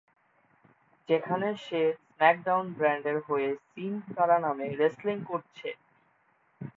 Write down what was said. যেখানে সে স্ম্যাকডাউন ব্র্যান্ডের হয়ে সিন কারা নামে রেসলিং করছে।